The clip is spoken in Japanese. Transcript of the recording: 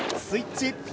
スイッチ！